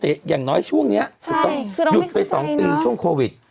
แต่อย่างน้อยช่วงนี้หยุดไป๒ปีช่วงโควิด